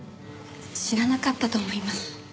知らなかったと思います。